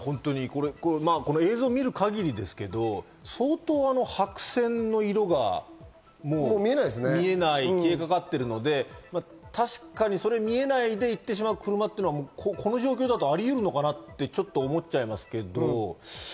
この映像を見る限り、相当、白線の色が見えない、消えかかっているので、確かに、それが見えないで行ってしまう車というのもこの状態ではあるのかなと思っちゃいますけど。